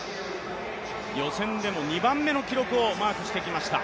予選でも２番目の記録をマークしてきました。